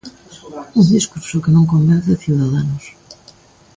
Un discurso que non convence a Ciudadanos.